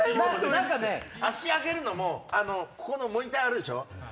何かね足上げるのもここのモニターあるでしょ